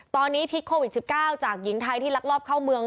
ตอนนี้พิษโควิด๑๙จากหญิงไทยที่ลักลอบเข้าเมือง